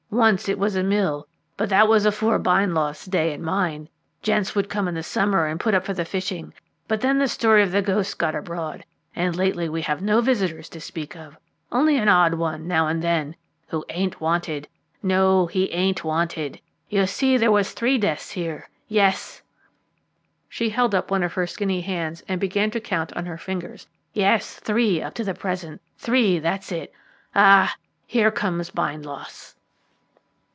Once it was a mill, but that was afore Bindloss's day and mine. Gents would come in the summer and put up for the fishing, but then the story of the ghost got abroad, and lately we have no visitors to speak of, only an odd one now and then who ain't wanted no, he ain't wanted. You see, there was three deaths here. Yes" she held up one of her skinny hands and began to count on her fingers "yes, three up to the present; three, that's it. Ah, here comes Bindloss."